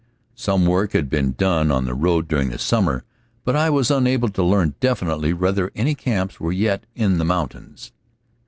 Some work had been done on the road during the summer, but I was unable to learn definitely whether any camps were yet in the mountains.